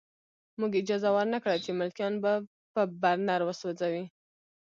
موږ اجازه ورنه کړه چې ملکیان په برنر وسوځوي